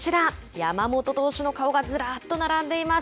山本投手の顔がずらっと並んでいます。